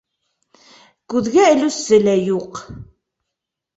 Күҙгә элеүсе лә юҡ.